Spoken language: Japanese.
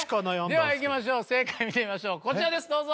ではいきましょう正解見てみましょうこちらですどうぞ！